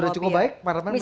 sudah cukup baik